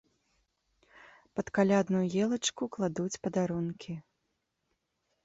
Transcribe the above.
Пад калядную елачку кладуць падарункі.